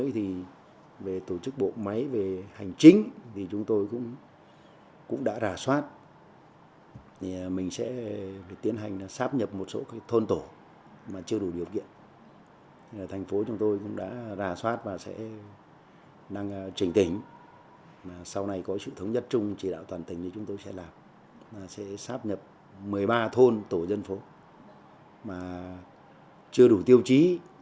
một mươi ba thôn tổ dân phố mà chưa đủ tiêu chí theo quy định thì chúng tôi sẽ sáp nhập lại